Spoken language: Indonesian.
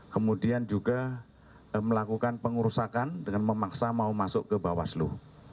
kemudian juga melakukan pengurusakan dengan memaksa mau masuk ke bawaslu